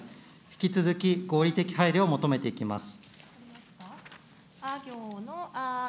引き続き、合理的配慮を求めていきます。